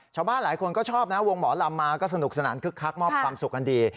ชาวบ้านหลายคนก็ชอบนะวงหมอลำมาก็สนุกสนานคึกคักมอบความสุขกันดี